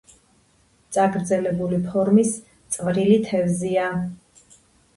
წაგრძელებული ფორმის წვრილი თევზია.